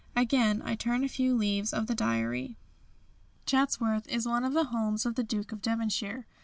Again I turn a few leaves of the diary: "Chatsworth is one of the homes of the Duke of Devonshire.